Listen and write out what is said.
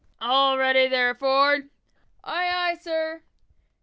"All ready there, forward?" "Aye, aye, sir!"